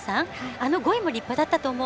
あの５位も立派だったと思う。